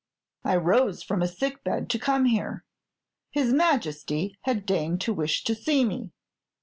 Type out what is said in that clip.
"I rose from a sick bed to come here; his Majesty had deigned to wish to see me."